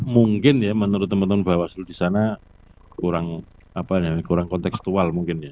mungkin ya menurut teman teman bawaslu di sana kurang konteksual mungkin ya